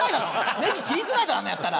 ネギ切りづらいだろあんなのやったら。